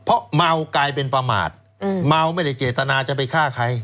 เพราะเมากลายเป็นประมาทเมาไม่ได้เจตนาจะไปฆ่าใคร